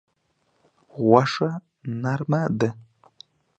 غوښه نرمه ده.